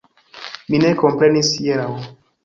Mi ne komprenis hieraŭ.